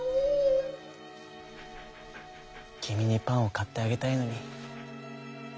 「きみにパンをかってあげたいのに」。